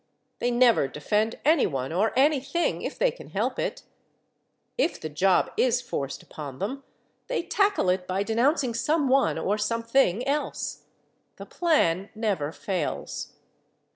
They never defend any one or anything if they can help it; if the job is forced upon them, they tackle it by denouncing some one or something else. The plan never fails.